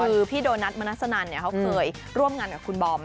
คือพี่โดนัทมนัสนันเขาเคยร่วมงานกับคุณบอม